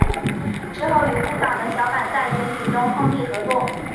之后与复党的小坂在选举中通力合作。